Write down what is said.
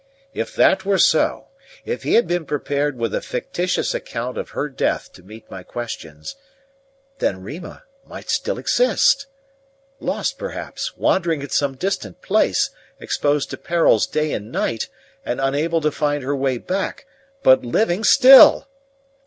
If that were so if he had been prepared with a fictitious account of her death to meet my questions then Rima might still exist: lost, perhaps, wandering in some distant place, exposed to perils day and night, and unable to find her way back, but living still!